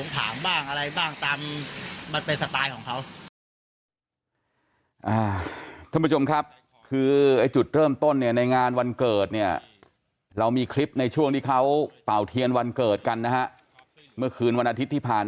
ท่านผู้ชมครับคือไอ้จุดเริ่มต้นเนี่ยในงานวันเกิดเนี่ยเรามีคลิปในช่วงที่เขาเป่าเทียนวันเกิดกันนะฮะเมื่อคืนวันอาทิตย์ที่ผ่าน